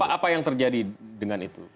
apa yang terjadi dengan itu